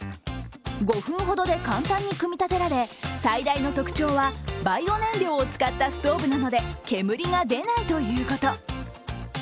５分ほどで簡単に組み立てられ、最大の特徴はバイオ燃料を使ったストーブなので煙が出ないということ。